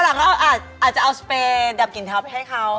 และก็อาจจะเอาสเปรดำกลิ่นเท้าไปให้เค้า